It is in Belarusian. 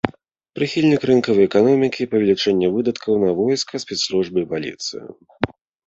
Прыхільнік рынкавай эканомікі і павелічэння выдаткаў на войска, спецслужбы і паліцыю.